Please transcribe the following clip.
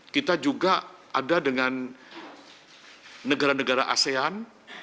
kita juga ada dengan negara negara asean